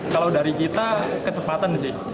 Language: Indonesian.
kalau dari kita kecepatan sih